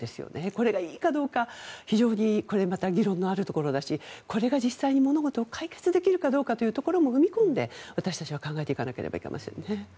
これがいいかどうかは非常にこれまた議論のあるところだしこれが実際に物事を解決できるかというところまで踏み込んで私たちは考えていかなければいけませんね。